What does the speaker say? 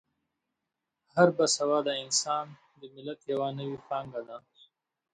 هر با سواده انسان د ملت یوه نوې پانګه ده.